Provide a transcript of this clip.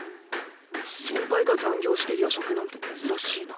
先輩が残業して夜食なんて珍しいな